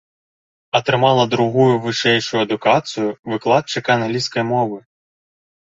Атрымала другую вышэйшую адукацыю выкладчыка англійскай мовы.